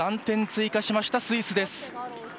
３点追加しました、スイスです。